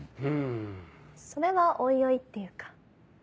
それはおいおいっていうか。